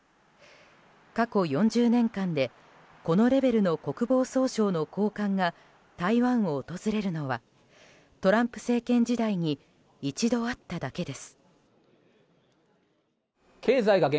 過去４０年間でこのレベルの国防総省の高官が台湾を訪れるのはトランプ政権時代に１度あっただけです。